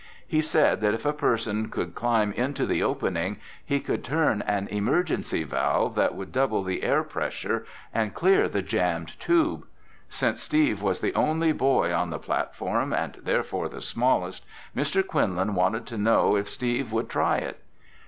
He said that if a person could climb into the opening he could turn an emergency valve that would double the air pressure and clear the jammed tube. Since Steve was the only boy on the platform, and therefore the smallest, Mr. Quinlan wanted to know if Steve would try it.